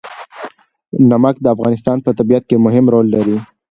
نمک د افغانستان په طبیعت کې مهم رول لري.